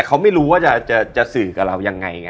เขามาสวดด้วย